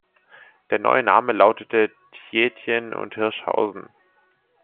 Der neue Name lautete "Tietjen und Hirschhausen".